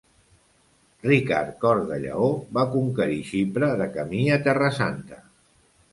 Ricard Cor de Lleó va conquerir Xipre de camí a Terra Santa.